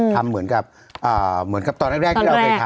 ทำเหมือนกับเหมือนกับตอนแรกที่เราเคยทำ